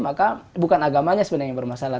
maka bukan agamanya sebenarnya yang bermasalah